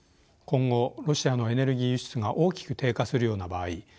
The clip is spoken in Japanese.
今後ロシアのエネルギー輸出が大きく低下するような場合